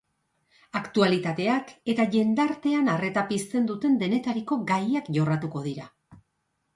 Aktualitateak eta jendartean arreta pizten duten denetariko gaiak jorratuko dira.